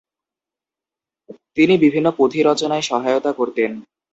তিনি বিভিন্ন পুঁথি রচনায় সহায়তা করতেন।